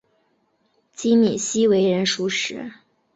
金珉锡为人熟识。